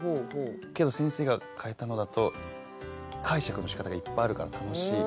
けど先生が変えたのだと解釈のしかたがいっぱいあるから楽しい。